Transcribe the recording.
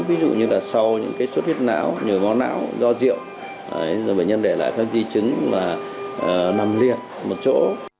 ví dụ như là sau những cái suốt huyết não nhồi vó não do rượu rồi bệnh nhân để lại các di chứng nằm liền một chỗ